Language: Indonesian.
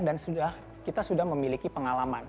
dan kita sudah memiliki pengalaman